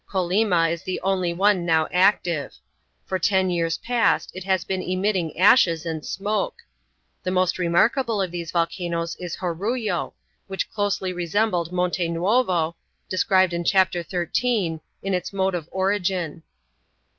Colima is the only one now active. For ten years past it has been emitting ashes and smoke. The most remarkable of these volcanoes is Jorullo, which closely resembled Monte Nuovo, described in Chapter XIII., in its mode of origin.